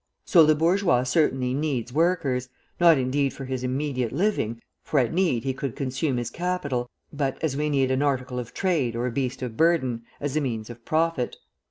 So the bourgeois certainly needs workers, not indeed for his immediate living, for at need he could consume his capital, but as we need an article of trade or a beast of burden, as a means of profit.